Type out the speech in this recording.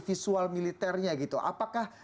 visual militernya apakah